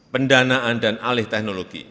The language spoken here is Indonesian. pendanaan dan alih teknologi